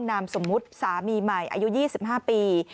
นามสมมุติสามีใหม่อายุ๒๕ปี